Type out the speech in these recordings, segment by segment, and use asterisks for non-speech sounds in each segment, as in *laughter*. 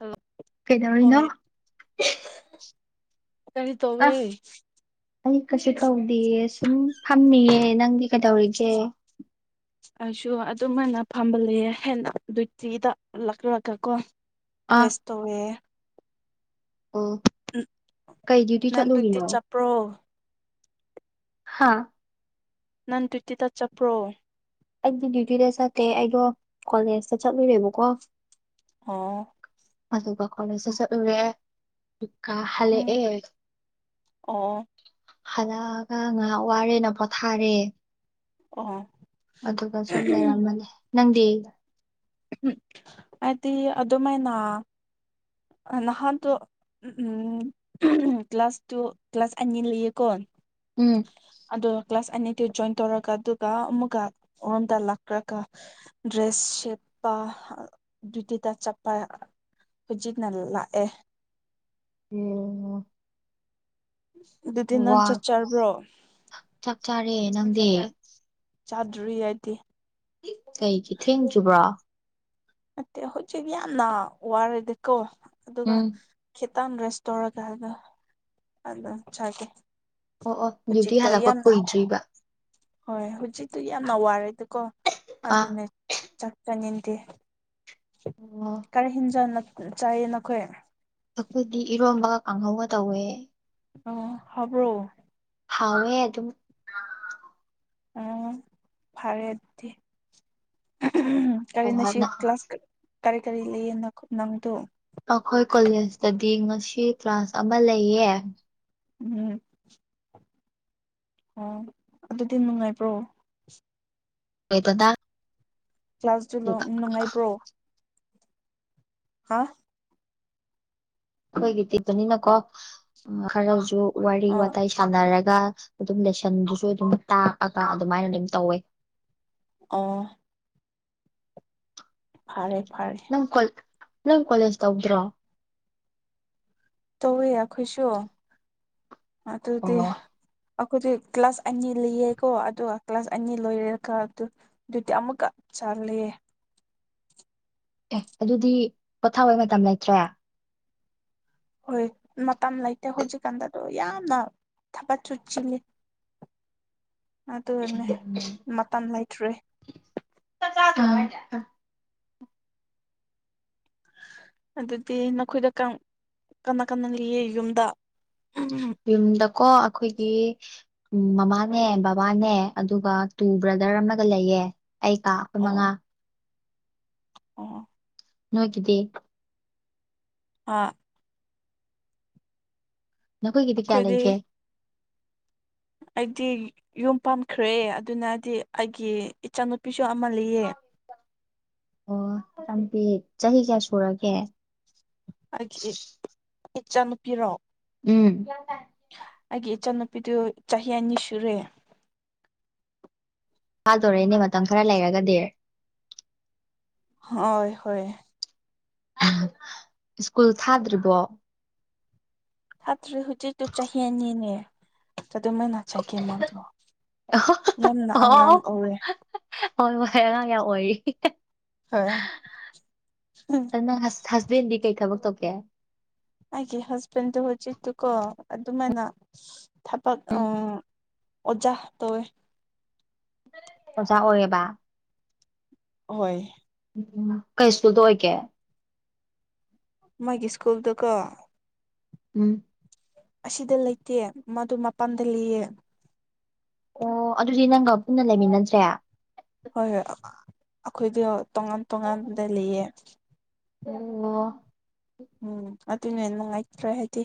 Hello ꯀꯩꯗꯧꯔꯤꯅ ꯍꯣꯏ ꯀꯔꯤ ꯇꯧꯋ‌ꯦ ꯑꯩ ꯀꯩꯁꯨ ꯇꯧꯗꯤꯌ‌ꯦ ꯁꯨꯝ ꯐꯝꯃꯤꯌꯦ ꯅꯪꯗꯤ ꯀꯩꯗꯧꯔꯤꯒꯦ ꯑꯩꯁꯨ ꯑꯗꯨꯝꯥꯏꯅ ꯐꯝꯕ ꯂꯩꯌꯦ ꯍꯥꯏꯅꯥ ꯇ꯭ꯔꯤꯗꯂꯛꯂꯨꯔꯒ *unintelligible* ꯀꯣ ꯑꯥ ꯔꯦꯁ ꯇꯣꯋꯦ ꯎꯝ ꯀꯩ ꯗ꯭ꯌꯨꯇꯤ ꯅꯪ ꯆꯠꯂꯨꯔꯤꯅꯣ ꯆꯠꯄ꯭ꯔꯣ ꯍꯥꯥ ꯅꯪ ꯗ꯭ꯌꯨꯇꯤꯇ ꯆꯠꯄ꯭ꯔꯣ ꯑꯩꯗꯤ ꯗ꯭ꯌꯨꯇꯤꯗ ꯆꯠꯇꯦ ꯑꯩꯗꯣ ꯀꯣꯂꯦꯖꯇ ꯆꯠꯂꯨꯔꯦꯕꯀꯣ ꯑꯣ ꯑꯗꯨꯒ ꯀꯣꯂꯦꯖꯇ ꯆꯠꯂꯨꯔꯦ ꯑ‌ꯣ ꯎꯝ ꯍꯜꯂꯛꯑꯦ ꯑꯣ ꯍꯜꯂꯛꯑꯒ ꯉꯥꯏꯍꯥꯛ ꯋꯥꯔꯦꯅ ꯄꯣꯊꯥꯔꯦ ꯑꯣ ꯑꯗꯨꯒ ꯁꯨꯝ ꯂꯩꯔꯝꯕꯅꯤ ꯅꯪꯗꯤ ꯍꯥꯏꯗꯤ ꯑꯗꯨꯃꯥꯏꯅ ꯅꯍꯥꯟꯗ‌ꯣ ꯎꯝ ꯀ꯭ꯂꯥꯁ ꯇꯨ ꯀ꯭ꯂꯥꯁ ꯑꯅꯤ ꯂꯩꯌꯦꯀꯣꯟ ꯎꯝ ꯑ ꯀ꯭ꯂꯥꯁ ꯑꯅꯤꯗꯨ ꯖꯣꯏꯟ ꯇꯧꯔꯒ ꯑꯗꯨꯒ ꯑꯃꯨꯛꯒ ꯑꯃꯔꯣꯝꯗ ꯂꯥꯛꯈ꯭ꯔꯒ ꯗ꯭ꯔꯦꯁ ꯁꯦꯠꯄ ꯇꯇꯥ ꯆꯠꯄ ꯍꯧꯖꯤꯛ ꯂꯥꯛꯑꯦ *unintelligible* ꯑꯗꯨꯗꯤ ꯅꯪ ꯋꯥ ꯆꯠꯆꯔꯕ꯭ꯔꯣ ꯆꯥꯛ ꯆꯥꯔꯦ ꯅꯪꯗꯤ ꯆꯥꯗ꯭ꯔꯤ ꯑꯩꯗꯤ ꯀꯩꯒꯤ ꯊꯦꯡꯗ꯭ꯔꯤꯕ꯭ꯔꯥ ꯅꯠꯇꯦ ꯍꯧꯖꯤꯛ ꯌꯥꯝꯅ ꯋꯥꯔꯗꯤꯀꯣ ꯑꯗꯨꯒ ꯎꯝ ꯈꯤꯇꯪ ꯔꯦꯁ ꯇꯧꯔꯒ ꯍꯥꯏꯒ ꯑꯣ ꯆꯒꯦ ꯑꯣ ꯑꯣ ꯗ꯭ꯌꯨꯇꯤ ꯍꯧꯖꯤꯛꯇꯣ ꯍꯜꯂꯛꯄ ꯌꯥꯝꯅ ꯀꯨꯏꯗ꯭ꯔꯤꯕ ꯍꯣꯏ ꯍꯧꯖꯤꯛꯇꯤ ꯌꯥꯝꯅ ꯋꯥꯔꯦ ꯑꯗꯨꯀꯣ ꯑꯥ ꯑꯗꯨꯅꯦ ꯆꯠꯆꯅꯤꯡꯗꯦ ꯑꯣ ꯀꯔꯤ ꯍꯦꯟꯖꯥꯡ ꯆꯥꯏꯌꯦ ꯅꯈꯣꯏ ꯑꯩꯈꯣꯏꯗꯤ ꯏꯔꯣꯟꯝꯕꯒ ꯀꯥꯡꯍꯧꯒ ꯇꯧꯋꯦ ꯑꯣ ꯍꯥꯎꯕ꯭ꯔꯣ ꯍꯥꯎꯋꯦ ꯑꯗꯨꯝ ꯎꯝ ꯐꯔꯦꯗꯨꯗꯤ ꯀꯔꯤꯅ ꯁꯤ ꯍꯣꯍꯣꯠꯅ ꯀ꯭ꯂꯥꯁ ꯀꯔꯤ ꯀꯔꯤ ꯂꯩꯌ‌ꯦꯅ ꯅꯪꯗ‌ꯣ ꯑꯩꯈꯣꯏ ꯀꯣꯂꯦꯖꯇꯗꯤ ꯉꯁꯤ ꯀ꯭ꯂꯥꯁ ꯑꯃ ꯂꯩꯌꯦ ꯎꯝ ꯑꯣ ꯑꯗꯨꯗꯤ ꯅꯨꯡꯉꯥꯏꯕ꯭ꯔꯣ ꯑꯣꯏꯕꯅ ꯀ꯭ꯂꯥꯁꯗꯨ ꯂꯣ ꯅꯨꯡꯉꯥꯏꯕ꯭ꯔꯣ ꯍꯥꯥ ꯑꯩꯈꯣꯏꯒꯤ ꯇꯤꯄꯅꯤꯅꯀꯣ ꯎ ꯈꯔꯁꯨ ꯋꯥꯔꯤ ꯑ ꯋꯥꯇꯥꯏ ꯁꯥꯟꯅꯔꯒ ꯑꯗꯨꯝ ꯂꯦꯁꯟꯗꯨꯁꯨ ꯑꯗꯨꯝ ꯇꯥꯛꯑꯒ ꯑꯗꯨꯃꯥꯏꯅ ꯑꯗꯨꯝ ꯇꯧꯋꯦ ꯑꯣ ꯐꯔꯦ ꯐꯔꯦ ꯅꯪ ꯀꯣꯂꯦꯖ ꯇꯧꯗ꯭ꯔꯣ ꯇꯧꯋꯦ ꯑꯩꯈꯣꯏꯁꯨ ꯑꯗꯨꯗꯤ ꯑꯣ ꯑꯩꯈꯣꯏꯗꯤ ꯀ꯭ꯂꯥꯁ ꯑꯅꯤ ꯂꯤꯌꯦꯀꯣ ꯑꯗꯨꯒ ꯀ꯭ꯂꯥꯁ ꯑꯅꯤ ꯂꯣꯏꯔꯦꯒ ꯑꯗꯨ ꯑꯗꯨꯗꯤ ꯑꯃꯨꯛꯀ ꯆꯠꯂꯦ ꯑꯦ ꯑꯗꯨꯗꯤ ꯄꯣꯊꯥꯕꯩ ꯃꯇꯝ ꯂꯩꯇ꯭ꯔꯦ ꯍꯣꯏ ꯃꯇꯝ ꯂꯩꯇꯦ ꯍꯧꯖꯤꯛꯀꯥꯟꯗ ꯑꯗꯨ ꯌꯥꯝꯅ ꯊꯕꯠꯁꯨ ꯆꯤꯜꯂꯤ ꯑꯗꯨꯅꯦ ꯃꯇꯝ ꯂꯩꯇ꯭ꯔꯦ *unintelligible* ꯑꯗꯨꯗꯤ ꯅꯈꯣꯏꯗ ꯀꯔꯝ ꯀꯟꯅ ꯀꯟꯅ ꯂꯤꯌꯦ ꯌꯨꯝꯗ ꯌꯨꯝꯗꯀꯣ ꯑꯈꯣꯏꯒꯤ ꯎꯝ ꯃꯃꯥꯅꯦ ꯕꯕꯥꯅꯦ ꯑꯗꯨꯒ ꯇꯨ ꯕ꯭ꯔꯗꯔ ꯑꯃꯒ ꯂꯩꯌꯦ ꯑꯩ ꯀꯥ ꯑꯣ ꯃꯉꯥ ꯑꯣ ꯅꯣꯏꯒꯤꯗꯤ ꯍꯥꯥ ꯅꯈꯣꯏꯒꯤꯗꯤ ꯀꯌꯥ ꯑꯩꯈꯣꯏꯗꯤ ꯂꯩꯒꯦ ꯑꯩꯗꯤ ꯌꯨꯝ ꯄꯥꯟꯈ꯭ꯔꯦ ꯑꯗꯨꯅꯗꯤ ꯑꯩꯒꯤ ꯏꯆꯥꯅꯨꯄꯤꯁꯨ ꯑꯃ ꯂꯩꯌꯦ ꯑꯣ ꯏꯆꯥꯅꯨꯄꯤ ꯆꯍꯤ ꯀꯌꯥ ꯁꯨꯔꯒꯦ ꯑꯩꯒꯤ ꯏꯆꯥꯅꯨꯄꯤꯔꯣ ꯎꯝ ꯑꯩꯒꯤ ꯏꯆꯥꯅꯨꯄꯤꯗꯨ ꯆꯍꯤ ꯑꯅꯤ ꯁꯨꯔꯦ ꯊꯥꯗꯣꯔꯦꯅꯦ ꯃꯇꯝ ꯈꯔ ꯂꯩꯔꯒꯗꯤ ꯍꯣꯏ ꯍꯣꯏ ꯁ꯭ꯀꯨꯜ ꯊꯥꯗ꯭ꯔꯤꯕꯣ ꯊꯇ꯭ꯔꯤ ꯍꯧꯖꯤꯛꯇꯨ ꯆꯍꯤ ꯑꯅꯤꯅꯦ ꯑꯗꯨꯃꯥꯏꯅ ꯁꯥꯏꯈꯦꯝꯃꯥꯡꯗꯣ ꯌꯥꯝꯅ ꯑꯉꯥꯝ ꯑꯣ ꯑꯣꯏꯌꯦ ꯍꯣꯏ ꯍꯣꯏ ꯑꯉꯥꯡ ꯌꯥꯝ ꯑꯣꯏꯔꯤ ꯍꯣꯏ ꯑꯗꯨ ꯅꯪ ꯑꯁ ꯍꯁꯕꯦꯟꯗꯤ ꯀꯩ ꯊꯕꯛ ꯇꯧꯒꯦ ꯑꯩꯒꯤ ꯍꯁꯕꯦꯟꯗꯨ ꯍꯖꯤꯛꯇꯨꯀꯣ ꯑꯗꯨꯃꯥꯏꯅ ꯊꯄꯛ ꯑꯣ ꯑꯣꯖꯥ ꯇꯧꯋꯦ ꯑꯣꯖꯥ ꯑꯣꯏꯌꯦꯕ ꯍꯣꯏ ꯀꯩ ꯁ꯭ꯀꯨꯜꯗ ꯑꯣꯏꯒꯦ ꯃꯥꯒꯤ ꯁ꯭ꯀꯨꯜꯗꯨ ꯀꯣ ꯎꯝ ꯑꯁꯤꯗ ꯂꯩꯇꯦ ꯃꯗꯨ ꯃꯄꯥꯟꯗ ꯂꯩꯌꯦ ꯑꯣ ꯑꯗꯨꯗꯤ ꯅꯪꯒ ꯄꯨꯟꯅ ꯂꯩꯃꯤꯟꯅꯗ꯭ꯔꯦ ꯍꯣꯏ *unintelligible* ꯑꯈꯣꯏꯗ ꯇꯣꯉꯥꯟ ꯇꯣꯉꯥꯟꯗ ꯂꯩꯌꯦ ꯎꯝ ꯑꯣ ꯎꯝ ꯑꯗꯨꯅꯦ ꯅꯨꯡꯉꯥꯏꯇ꯭ꯔꯦ ꯍꯥꯏꯗꯤ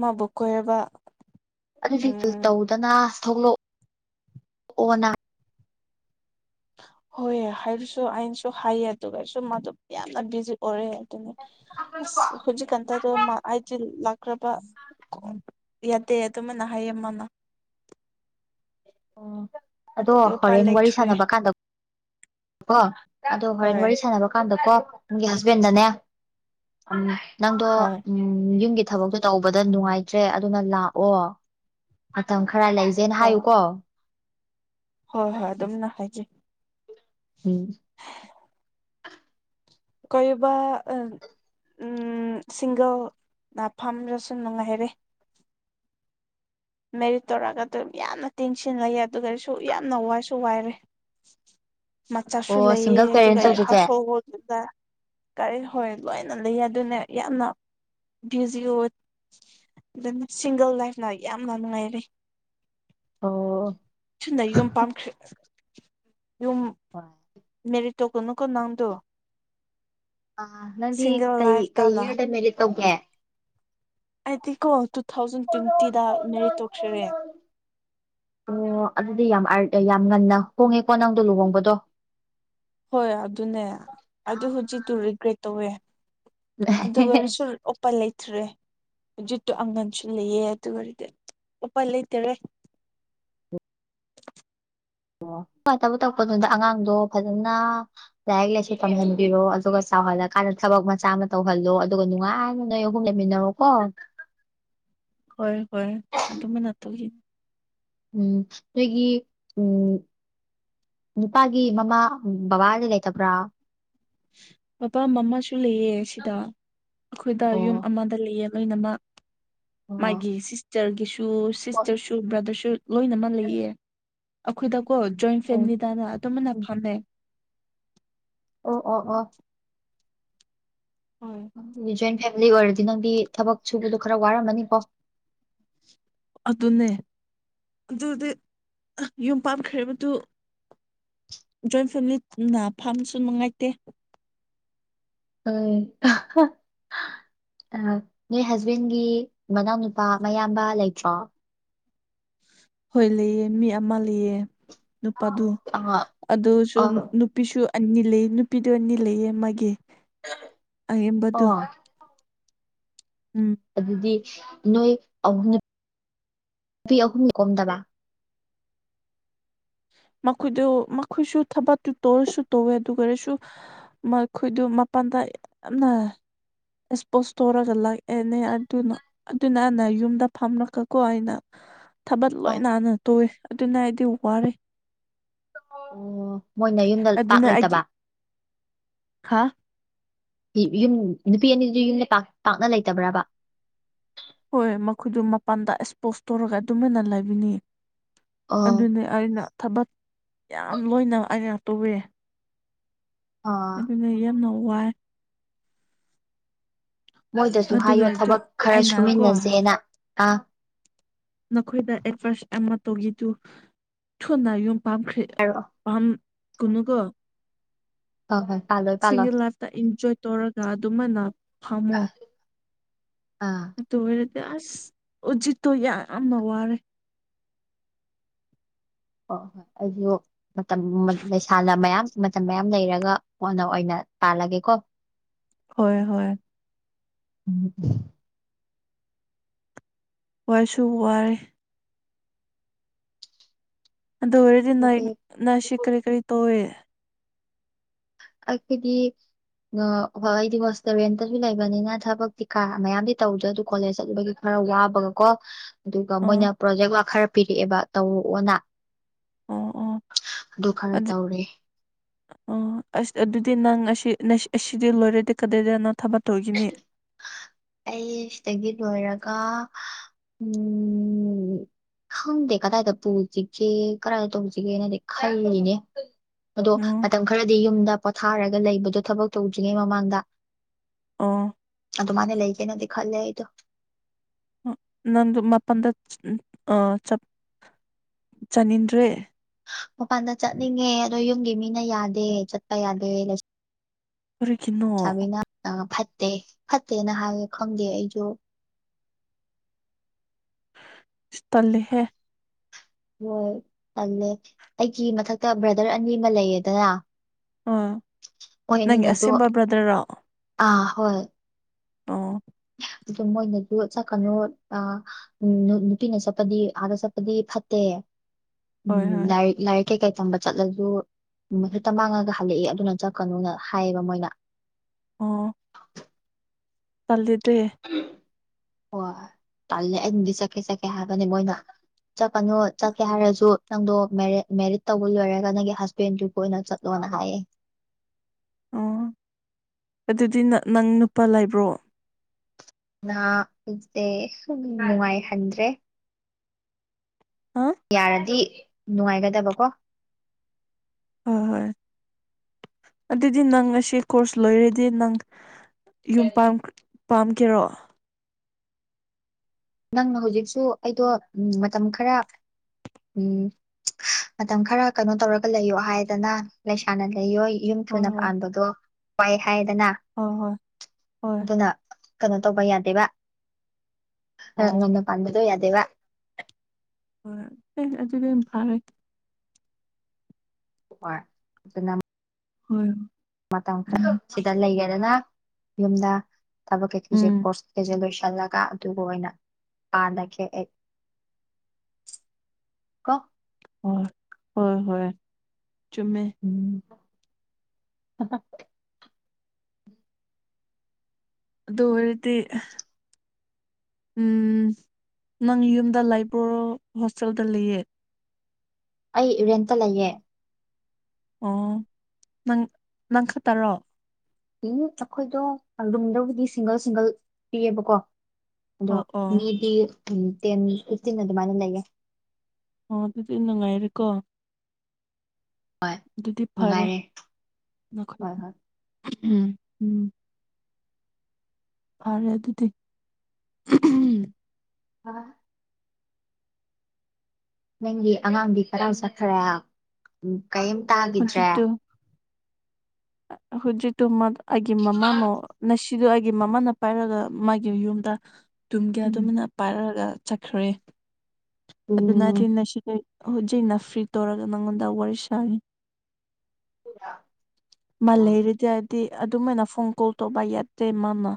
ꯃꯥꯕꯨ ꯀꯣꯏꯔꯕ ꯑꯗꯨꯗꯤ ꯐꯤꯜ ꯎꯝ ꯇꯧꯗꯅ ꯊꯣꯛꯂꯛ ꯑꯣꯅ ꯍꯣꯏ ꯍꯥꯏꯔꯁꯨ ꯑꯩꯅꯁꯨ ꯍꯥꯏꯌꯦ ꯑꯗꯨꯒꯁꯨ ꯃꯥꯗꯨ ꯌꯥꯝꯅ ꯕꯤꯖꯤ ꯑꯣꯏꯔꯦ ꯑꯗꯨꯅ ꯑꯁ ꯍꯨꯖꯤꯛ ꯀꯟꯇꯗꯣ ꯃꯥ ꯍꯥꯏꯖꯤꯜ ꯂꯛꯈ꯭ꯔꯕ *unintelligible* ꯌꯥꯇꯦ ꯑꯗꯨꯃꯥꯏꯅ ꯍꯥꯏꯌꯦ ꯃꯥꯅ ꯑꯣ *unintelligible* ꯑꯗꯣ ꯑꯗꯨꯗꯤ ꯎꯄꯥꯏ ꯍꯣꯔꯦꯟ ꯋꯥꯔꯤ ꯂꯩꯇ꯭ꯔꯦ ꯁꯥꯟꯅꯕ ꯀꯥꯟꯗ ꯀꯣ ꯑꯗꯣ ꯍꯣꯔꯦꯟ ꯍꯣꯏ ꯋꯥꯔꯤ ꯁꯥꯟꯅꯕ ꯀꯥꯟꯗ ꯀꯣ ꯅꯪꯒꯤ ꯍꯁꯕꯦꯟꯗꯅꯦ ꯎꯝ ꯅꯪꯗꯣ ꯍꯣꯏ ꯎꯝ ꯌꯨꯝꯒꯤ ꯊꯕꯛꯇꯣ ꯇꯧꯕꯗ ꯅꯨꯡꯉꯥꯏꯇ꯭ꯔꯦ ꯑꯗꯨꯅ ꯂꯥꯛꯑꯣ ꯃꯇꯝ ꯈꯔ ꯂꯩ ꯖꯦꯅ ꯍꯣꯏ ꯍꯥꯏꯌꯨ ꯀꯣ ꯍꯣꯏ ꯍꯣꯏ ꯑꯗꯨꯝꯅ ꯍꯥꯏꯖꯤ ꯎꯝ ꯀꯣꯏꯕ ꯁꯤꯡꯒꯜ ꯅꯐꯝꯔꯁꯨ ꯅꯨꯡꯉꯥꯏꯔꯦ ꯃꯦꯔꯤꯠ ꯇꯧꯔꯒ ꯑꯗꯨꯝ ꯌꯥꯝꯅ ꯇꯦꯡꯁꯤꯜ ꯂꯩꯌꯦ ꯑꯗꯨꯒꯁꯨ ꯌꯥꯝꯅ ꯋꯥꯏꯁꯨ ꯋꯥꯏꯔꯦ ꯃꯆꯥꯁꯨ ꯑꯣ ꯂꯩꯑꯦ ꯁꯤꯡꯒꯜ ꯑꯗꯨꯒ ꯄꯦꯔꯦꯟꯁ ꯑꯣꯏꯕꯁꯦ ꯍꯥꯎꯁꯍꯣꯜ *unintelligible* ꯀꯔꯤ ꯍꯣꯏ ꯂꯣꯏꯅ ꯂꯩꯌꯦ ꯑꯗꯨꯅ ꯌꯥꯝꯅ ꯚꯤꯖꯤ ꯑꯣꯏ ꯑꯗꯨꯅ ꯁꯤꯡꯒꯜ ꯂꯥꯏꯐꯅ ꯌꯥꯝꯅ ꯅꯨꯡꯉꯥꯏꯔꯦ ꯑꯣ *inaudible* ꯊꯨꯅ ꯌꯨꯝ ꯄꯥꯟꯈ꯭ꯔꯦ *unintelligible* ꯌꯨꯝ ꯍꯣꯏ ꯃꯦꯔꯤꯠ ꯇꯧꯒꯅꯨꯀꯣ ꯅꯪꯗꯣ ꯑ ꯅꯪꯗꯤ ꯁꯤꯡꯒꯜ ꯀꯩ ꯂꯥꯏꯐ ꯀꯩ ꯇꯅ ꯏꯌꯔꯗ ꯃꯦꯔꯤꯠ ꯇꯧꯒꯦ ꯑꯩꯗꯤꯀꯣ ꯇꯨ ꯊꯥꯎꯖꯟ ꯇ꯭ꯋꯦꯟꯇꯤꯗ ꯃꯦꯔꯤꯠ ꯇꯧꯈ꯭ꯔꯦ ꯑꯣ *unintelligible* ꯑꯗꯨꯗꯤ ꯌꯥꯝ *unintelligible* ꯉꯟꯅ ꯍꯣꯡꯉꯦꯀꯣ ꯅꯪꯗꯣ ꯂꯨꯍꯣꯡꯕꯗꯣ ꯍꯣꯏ ꯑꯗꯨꯅꯦ ꯑꯗꯨ ꯍꯧꯖꯤꯛꯇꯨ ꯔꯤꯒ꯭ꯔꯦꯠ ꯇꯧꯋꯦ ꯑꯗꯨ ꯑꯣꯏꯔꯁꯨ ꯑꯣꯄꯥꯏ ꯂꯩꯇ꯭ꯔꯦ ꯍꯧꯖꯤꯠꯇꯨ ꯑꯉꯟꯁꯨ ꯂꯩꯑꯦ ꯑꯗꯨꯑꯣꯏꯔꯗꯤ ꯎꯄꯥꯢ ꯂꯩꯇꯔꯦ ꯑꯣ ꯑꯣꯄꯥꯏ ꯂꯩꯇꯕ ꯇꯧꯒꯅꯨꯗ ꯑꯉꯥꯡꯗꯣ ꯐꯖꯅ ꯂꯥꯏꯔꯤꯛ ꯂꯥꯏꯁꯨ ꯇꯝꯍꯟꯕꯤꯔꯣ ꯑꯗꯨꯒ ꯆꯥꯎꯍꯜꯂꯀꯥꯟꯗ ꯊꯕꯛ ꯃꯆꯥ ꯑꯃ ꯇꯧꯍꯜꯂꯣ ꯑꯗꯨꯒ ꯅꯨꯡꯉꯥꯏꯅ ꯅꯣꯏ ꯑꯍꯨꯝ ꯂꯩꯃꯤꯟꯅꯔꯣ ꯀꯣ *unintelligible* *inaudible* ꯍꯣꯏ ꯍꯣꯏ ꯌꯥꯝ ꯇꯨꯃꯤꯟꯅ ꯇꯧꯒꯤ ꯎꯝ ꯅꯣꯏꯒꯤ ꯎꯝ ꯅꯨꯄꯥꯒꯤ ꯃꯃꯥ ꯕꯕꯥꯗꯤ ꯂꯩꯇꯕ꯭ꯔꯥ ꯕꯕꯥ ꯃꯃꯥꯁꯨ ꯂꯩꯑꯦ ꯁꯤꯗ ꯑꯩꯈꯣꯏꯗ ꯌꯨꯝ ꯑꯣ ꯑꯃꯗ ꯂꯩꯑꯦ ꯂꯣꯏꯅꯃꯛ ꯑꯣ ꯃꯥꯒꯤ ꯁꯤꯁꯇꯔꯒꯤꯁꯨ ꯍꯣꯏ ꯁꯤꯁꯇꯔꯁꯨ ꯕ꯭ꯔꯗꯔꯁꯨ ꯂꯣꯏꯅꯃꯛ ꯂꯩꯌꯦ ꯑꯩꯈꯣꯏꯗꯀꯣ ꯖꯣꯏꯟ ꯑꯣ ꯐꯦꯃꯤꯂꯤꯗꯅ ꯑꯗꯨꯃꯥꯏꯅ ꯎꯝ ꯐꯝꯃꯦ ꯑꯣ ꯑꯣ ꯑꯣ ꯍꯣꯏ *unintelligible* ꯖꯣꯏꯟ ꯐꯦꯃꯤꯂꯤ ꯑꯣꯏꯔꯗꯤ ꯅꯪꯗꯤ ꯊꯕꯛ ꯁꯨꯕꯗꯨ ꯈꯔ ꯋꯥꯔꯝꯃꯅꯤꯀꯣ ꯑꯗꯨꯅꯦ ꯑꯗꯨꯗꯤ ꯌꯨꯝ ꯄꯥꯟꯈ꯭ꯔꯦꯕꯗꯨ ꯖꯣꯏꯟ ꯐꯦꯃꯤꯂꯤ ꯄꯨꯟꯅ ꯐꯝꯕꯁꯨ ꯅꯨꯡꯉꯥꯏꯇꯦ꯫ ꯑ *unintelligible* ꯑꯍ ꯑ ꯅꯣꯏ ꯍꯖꯕꯦꯟꯒꯤ ꯃꯅꯥꯎ ꯅꯨꯨꯄꯥ ꯃꯌꯥꯝꯕ ꯂꯩꯇ꯭ꯔꯣ? ꯍꯣꯏ ꯂꯩꯌꯦ ꯃꯤ ꯑꯃ ꯂꯩꯌꯦ ꯅꯨꯄꯥꯗꯨ ꯑ ꯑꯗꯨꯁꯨ ꯑ ꯅꯨꯞ ꯅꯨꯄꯤꯁꯨ ꯑꯅꯤ ꯂꯩꯌꯦ ꯅꯨꯄꯤꯗꯨ ꯑꯅꯤ ꯂꯩꯌꯦ ꯃꯥꯒꯤ ꯑꯌꯥꯝꯕꯗꯨ ꯑꯣ *unintelligible* ꯎꯝ ꯑꯗꯨꯗꯤ ꯅꯣꯏ ꯑꯍꯨꯝ ꯅꯨ *inaudible* ꯄꯤ ꯑꯍꯨꯝ ꯀꯣꯝꯗꯕ꯫ ꯃꯈꯣꯏꯗꯨ ꯃꯈꯣꯏꯁꯨ ꯊꯕꯛꯇꯨ ꯇꯧꯋꯁꯨ ꯇꯧꯋꯦ ꯑꯗꯨ ꯑꯣꯏꯔꯁꯨ ꯃꯈꯣꯏꯗꯨ ꯃꯄꯥꯟꯗ ꯌꯥꯝꯅ ꯑꯦꯛꯁꯄꯣꯁ ꯇꯧꯔꯒ ꯂꯥꯛꯑꯦꯅꯦ ꯑꯗꯨꯅ ꯑꯗꯨꯅ ꯑꯦꯅ ꯌꯨꯝꯗ ꯐꯝꯂꯛꯀꯀꯣ ꯑꯩꯅ ꯊꯕꯛ ꯑ ꯂꯣꯏ ꯅꯥꯟꯅ ꯇꯣꯋꯦ ꯑꯗꯨꯅ ꯑꯩꯗꯤ ꯋꯥꯔꯦ꯫ ꯑꯣ ꯃꯣꯏꯅ ꯌꯨꯝꯗ ꯄꯥꯛ ꯑꯗꯨꯅ ꯑꯩꯒꯤ ꯂꯩꯇꯕ꯫ *inaudible* ꯍꯥ *unintelligible* ꯅꯨꯄꯤ ꯑꯅꯤꯗꯨꯗꯤ ꯌꯨꯝꯗ ꯄꯥꯛ ꯄꯥꯛꯅ ꯂꯩꯇꯕ꯭ꯔꯕ? ꯍꯣꯏ ꯃꯈꯣꯏꯗꯣ ꯃꯄꯥꯟꯗ ꯑꯦꯛꯁꯄꯣꯁ ꯇꯧꯔꯒ ꯑꯗꯨꯃꯥꯏꯅ ꯂꯩꯕꯅꯤ *inaudible* ꯑꯣ ꯑꯗꯨꯅꯤ ꯑꯩꯅ ꯊꯕꯛ ꯌꯥꯝ ꯂꯣꯏꯅ ꯑꯩꯅ ꯇꯧꯋꯦ꯫ ꯑ ꯑꯗꯨꯅ ꯌꯥꯝꯅ ꯋꯥꯏ ꯃꯣꯏꯗꯁꯨ ꯍꯥꯏꯌꯣ ꯑꯗꯨꯒꯤꯗꯨ ꯊꯕꯛ ꯈꯔ ꯑꯩꯅꯀꯣ ꯁꯨꯃꯤꯟꯅꯖꯦꯅ ꯍꯥ꯫ ꯅꯈꯣꯏꯗ ꯑꯦꯚꯔꯁ ꯑꯃ ꯇꯧꯒꯤꯗꯨ ꯊꯨꯅ ꯌꯨꯝ ꯄꯥꯝꯈ꯭ꯔꯦ ꯑꯥꯏꯔꯣ ꯄꯥꯝ ꯀꯨꯅꯨ ꯀꯣ ꯍꯣꯏ ꯍꯣꯏ ꯄꯥꯜꯂꯣꯏ ꯄꯥꯜꯂꯣꯏ ꯁꯤꯡꯒꯤꯜ ꯂꯥꯏꯐꯇ ꯏꯟꯖꯣꯏ ꯇꯧꯔꯒ ꯑꯗꯨꯃꯥꯏꯅ ꯐꯝꯃꯣ ꯑꯥ ꯑꯗꯨ ꯑꯣꯏꯔꯦꯗꯥ ꯑꯁ ꯎꯖꯤꯠꯇꯣ ꯌꯥꯝꯅ ꯋꯥꯔꯦ ꯍꯣꯏ ꯍꯣꯏ ꯑꯩꯖꯨ ꯃꯇꯝ ꯃꯠ ꯂꯩꯁꯥꯅ ꯃꯌꯥꯝ ꯃꯇꯝ ꯃꯌꯥꯝ ꯂꯩꯔꯒ ꯀꯣꯟꯅ ꯑꯣꯏꯅ ꯄꯥꯜꯂꯒꯦ ꯀꯣ ꯍꯣꯏ ꯍꯣꯏ ꯎꯝ ꯋꯥꯁꯨ ꯋꯥꯏ ꯑꯗꯨ ꯑꯣꯏꯔꯗꯤ ꯅꯣꯏ ꯑꯗꯨꯗꯤ ꯅꯣꯏꯁꯨ ꯀꯔꯤ ꯀꯔꯤ ꯇꯧꯏ ꯑꯈꯣꯏꯗꯤ ꯅ ꯍꯣꯏꯗꯤ ꯍꯣꯁꯇꯦꯜ ꯔꯦꯟꯇꯁꯨ ꯂꯩꯕꯅꯤꯅ ꯊꯕꯛꯇꯤ ꯀꯥ ꯃꯌꯥꯝꯗꯤ ꯇꯧꯗ꯭ꯔꯦ ꯑꯗꯨ ꯀꯣꯂꯦꯖꯆꯠꯂꯨꯕꯒꯤ ꯈꯔ ꯋꯥꯕꯒ ꯀꯣ ꯑꯗꯨꯒ ꯑꯣ ꯃꯣꯏꯅ ꯄ꯭ꯔꯣꯖꯦꯛ ꯋꯥꯛ ꯈꯔ ꯄꯤꯔꯛꯑꯦꯕ ꯇꯧꯔꯣꯛꯑꯣꯅ ꯑꯣ ꯑꯣ ꯑꯗꯨ ꯈꯔ ꯇꯧꯔꯦ ꯑꯣ ꯑꯁ ꯑꯗꯨꯗꯤ ꯅꯪ ꯑꯁꯤ ꯅꯁꯤ ꯑꯁꯤꯗꯤ ꯂꯣꯏꯔꯗꯤ ꯀꯗꯥꯏꯗ ꯅꯪ ꯊꯕꯛ ꯇꯧꯒꯤꯅꯤ ꯑꯩ ꯁꯤꯗꯒꯤ ꯂꯣꯏꯔꯒ ꯎꯝ ꯈꯪꯗꯦ ꯀꯗꯥꯏꯗ ꯄꯨꯁꯤꯒꯦ ꯀꯗꯥꯏꯗ ꯇꯧꯁꯤꯒꯦꯅꯗꯤ ꯈꯜꯂꯤꯅꯦ ꯑꯗꯣ ꯑꯣ ꯃꯇꯝ ꯈꯔꯗꯤ ꯌꯨꯝꯗ ꯄꯣꯊꯥꯔꯒ ꯂꯩꯕꯗꯣ ꯊꯕꯛ ꯇꯧꯗ꯭ꯔꯤꯉꯩ ꯃꯃꯥꯡꯗ ꯑꯣ ꯑꯗꯨ ꯃꯥꯅꯦ ꯂꯩꯒꯦꯅꯗꯤ ꯈꯜꯂꯦ ꯑꯩꯗꯣ ꯅꯪꯗꯣ ꯃꯄꯟꯗ ꯑ ꯆꯠ ꯆꯅꯤꯡꯗ꯭ꯔꯤ ꯃꯄꯥꯟꯗ ꯆꯠꯅꯤꯡꯉꯦ ꯑꯗꯣ ꯌꯨꯝꯒꯤ ꯃꯤꯅ ꯌꯥꯗꯦ ꯆꯠꯄ ꯌꯥꯗꯦ ꯂꯩ ꯀꯔꯤꯒꯤꯅꯣ ꯁꯥꯕꯤꯅ ꯑ ꯐꯠꯇꯦ ꯐꯠꯇꯦꯅ ꯍꯥꯏꯌꯦ ꯈꯪꯗꯦ ꯑꯩꯖꯨ ꯏꯁ ꯇꯜꯂꯦꯍꯦ ꯍꯣꯏ ꯇꯜꯂꯦ ꯑꯩꯒꯤ ꯃꯊꯛꯇ ꯕ꯭ꯔꯗꯔ ꯑꯅꯤ ꯑꯃ ꯂꯩꯌꯦꯗꯅ ꯑꯣ ꯃꯣꯏ ꯅꯪꯒꯤ ꯑꯅꯤꯅꯁꯨ ꯑꯁꯦꯡꯕ ꯕꯗ꯭ꯔꯔꯣ ꯑꯥ ꯍꯣꯏ ꯑꯣ ꯑꯗꯨ ꯃꯣꯏꯅꯁꯨ ꯆꯠꯀꯅꯨ ꯑꯥ ꯎꯝ ꯅꯨꯄꯤꯅ ꯆꯞꯄꯗꯤ ꯑꯗ ꯆꯄꯗꯤ ꯐꯠꯇꯦ ꯍꯣꯏ ꯎꯝ ꯍꯣꯏ ꯂ ꯂꯥꯏꯔꯤꯛ ꯀꯩ ꯀꯩ ꯇꯝꯕ ꯆꯠꯂꯁꯨ ꯍꯦꯛꯇ ꯃꯥꯡꯉꯒ ꯍꯜꯂꯛꯑꯦ ꯑꯗꯨꯅ ꯆꯠꯀꯅꯨꯅ ꯍꯥꯏꯌꯦꯕ ꯃꯣꯏꯅ ꯑꯣ ꯇꯂꯦꯗꯦ ꯍꯣꯏ ꯇꯜꯂꯦ ꯑꯩ ꯅꯗꯤ ꯆꯠꯀꯦ ꯆꯠꯀꯦ ꯍꯥꯏꯕꯅꯤ ꯃꯣꯏꯅ ꯆꯠꯀꯅꯨ ꯆꯠꯀꯦ ꯍꯥꯏꯔꯁꯨ ꯅꯪꯗꯣ ꯃꯦꯔꯤꯠ ꯃꯦꯔꯤꯠ ꯇꯧꯕ ꯂꯣꯏꯔꯒ ꯅꯪꯒꯤ ꯍꯁ ꯄꯦꯟꯁꯨ ꯑꯣꯏꯅ ꯆꯠꯂꯣꯅ ꯍꯥꯏꯌꯦ ꯑꯣ ꯑꯗꯨꯗꯤ ꯅꯪ ꯅꯨꯄꯥ ꯂꯩꯕ꯭ꯔꯣ ꯅꯥ ꯂꯩꯇꯦ ꯅꯨꯡꯉꯥꯏꯍꯟꯗ꯭ꯔꯦ ꯑꯥ ꯌꯥꯔꯗꯤ ꯅꯨꯡꯉꯥꯏꯒꯗꯕꯀꯣ ꯍꯣꯏ ꯍꯣꯏ ꯑꯗꯨꯗꯤ ꯅꯪ ꯉꯁꯤ ꯀꯣꯔꯁ ꯂꯣꯏꯔꯦꯗꯤ ꯅꯪ ꯌꯨꯝ ꯄꯥꯝꯒꯦꯔꯣ ꯅꯪꯅ ꯍꯧꯖꯤꯛꯁꯨ ꯑꯩꯗꯣ ꯎꯝ ꯃꯇꯝ ꯈꯔ ꯎꯝ ꯃꯇꯝ ꯈꯔ ꯀꯩꯅꯣ ꯇꯧꯔꯒ ꯂꯩꯌꯣ ꯍꯥꯏꯗꯅ ꯂꯩꯥꯏꯁꯥꯅ ꯂꯩꯌꯣꯏ ꯌꯨꯝ ꯍꯣꯏ ꯊꯨꯅ ꯍꯣꯏ ꯄꯥꯟꯕꯗꯣ ꯋꯥꯏ ꯍꯥꯏꯗꯅ꯫ ꯍꯣꯏ ꯍꯣꯏ ꯍꯣꯏ ꯑꯗꯨꯅ ꯀꯩꯅꯣ ꯇꯧꯕ ꯌꯥꯗꯦꯕ꯫ ꯈꯔ ꯑꯣ ꯉꯟꯅ ꯄꯟꯕꯗꯣ ꯌꯥꯗꯕ ꯍꯣꯏ ꯑꯗꯨꯗꯤ ꯌꯥꯝ ꯐꯔꯦ ꯍꯣꯏ ꯍꯣꯏ ꯃꯇꯝ ꯈꯔ ꯎꯝ ꯁꯤꯗ ꯂꯩꯒꯦꯗꯅ ꯌꯨꯝꯗ ꯊꯕꯛꯀꯤ ꯀꯖꯦ ꯎꯝ ꯀꯣꯔꯁ ꯀꯩꯁꯦ ꯂꯣꯏꯁꯤꯜꯂꯒ ꯑꯗꯨꯒ ꯑꯣꯏꯅ ꯄꯥꯟꯂꯒꯦ ꯑꯩ꯫ ꯀꯣ ꯍꯣꯏ ꯍꯣꯏ ꯍꯣꯏ ꯆꯨꯝꯃꯦ ꯎꯝ ꯑꯗꯨ ꯑꯣꯏꯔꯗꯤ ꯎꯝ ꯅꯪ ꯌꯨꯝꯗ ꯂꯥꯏꯕ꯭ꯔꯣ ꯍꯣꯁꯇꯦꯜꯗ ꯂꯩꯌꯦ ꯑꯩ ꯔꯦꯟꯇ ꯂꯩꯌꯦ ꯑꯣ ꯅꯪ ꯅꯪꯈꯠꯇꯔꯣ? ꯎꯝ ꯑꯩꯈꯣꯏꯗꯣ ꯑꯗꯨꯨꯝ ꯂꯨꯕꯗꯤ ꯁꯤꯡꯒꯜ ꯁꯤꯡꯒꯜ ꯄꯤꯌꯦꯕꯀꯣ ꯑꯗꯣ ꯑꯣ ꯑꯣ ꯃꯤꯗꯤ ꯇꯦꯟ ꯐꯤꯠꯇꯤꯟ ꯑꯗꯨꯃꯥꯏꯅ ꯂꯩꯌꯦ꯫ ꯑꯣ ꯑꯗꯨꯗꯤ ꯅꯨꯡꯉꯥꯏꯔꯦꯀꯣ꯫ ꯑꯗꯨꯗꯤ ꯐꯔꯦ ꯅꯨꯡꯉꯥꯏꯔꯦ ꯅꯈꯣꯏ ꯍꯣꯏ ꯍꯣꯏ ꯎꯝ ꯎꯝ ꯐꯔꯦ ꯑꯗꯨꯗꯤ ꯍ ꯅꯪꯒꯤ ꯑꯉꯥꯡꯗꯤ ꯀꯗꯥꯏ ꯆꯠꯈ꯭ꯔꯦ ꯀꯔꯤꯝ ꯇꯥꯈꯤꯗ꯭ꯔꯦ꯫ ꯈꯣꯏꯁꯨ ꯇꯨꯝ ꯑꯩꯒꯤ ꯃꯃꯥꯃꯣꯅꯁꯤ ꯁꯤꯗꯣ ꯑꯩꯒꯤ ꯃꯃꯥꯅ ꯄꯥꯏꯔꯒ ꯃꯥꯒꯤ ꯌꯨꯝꯗ ꯇꯨꯝꯒꯦ ꯎꯝ ꯑꯗꯨꯃꯥꯏꯅ ꯄꯥꯏꯔꯛꯑꯒ ꯆꯠꯈ꯭ꯔꯦ ꯑꯗꯨꯅꯗꯤ ꯅ ꯁꯤꯗ ꯍꯧꯖꯤꯛ ꯐ꯭ꯔꯤ ꯇꯧꯔꯒ ꯅꯉꯣꯟꯗ ꯋꯥꯔꯤ ꯁꯥꯔꯤ꯫ ꯃꯥ ꯂꯩꯔꯤꯗꯤ ꯗꯤ ꯑꯗꯨꯝꯥꯏꯅ ꯐꯣꯟ ꯀꯣꯜ ꯇꯧꯕ ꯌꯥꯗ꯭ꯔꯦ ꯃꯥꯅ